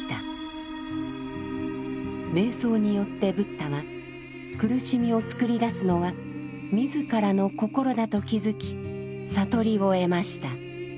瞑想によってブッダは苦しみを作り出すのは自らの心だと気づき悟りを得ました。